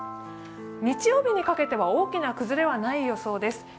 日曜日にかけても大きな崩れはない予想です。